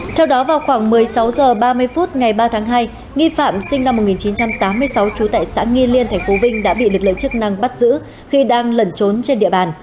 theo đó vào khoảng một mươi sáu h ba mươi phút ngày ba tháng hai nghi phạm sinh năm một nghìn chín trăm tám mươi sáu trú tại xã nghi liên tp vinh đã bị lực lượng chức năng bắt giữ khi đang lẩn trốn trên địa bàn